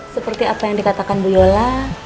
seperti apa yang dikatakan bu yola